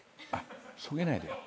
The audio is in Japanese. そげないでよ？